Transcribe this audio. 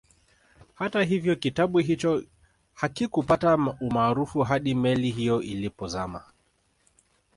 Hata hivyo kitabu hicho hakikupata umaarufu hadi meli hiyo ilipozama